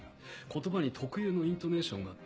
言葉に特有のイントネーションがあった。